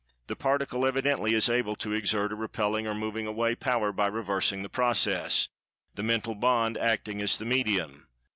The Particle evidently is able to exert a repelling or "moving away" power by reversing the process, the Mental bond acting as the medium.